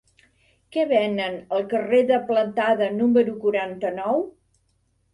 Què venen al carrer de Plantada número quaranta-nou?